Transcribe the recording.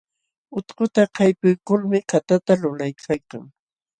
Utkuta kaypuykulmi katata lulaykalkan.